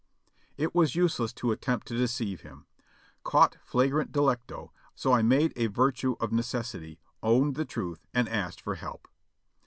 It was useless to attempt to deceive him, caught flagrante delicto, so I made a virtue of necessity, owned the truth and asked for help.